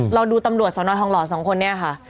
เราดูตำรวจสวนฐานทองหลอ๒คนเนี่ยค่ะ